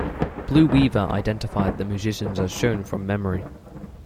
Blue Weaver identified the musicians as shown from memory.